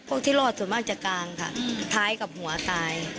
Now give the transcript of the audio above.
ที่รอดส่วนมากจะกางค่ะท้ายกับหัวตาย